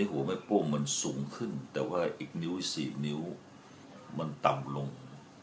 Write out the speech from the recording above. หัวแม่ป้วงมันสูงขึ้นแต่ว่าอีกนิ้ว๔นิ้วมันต่ำลง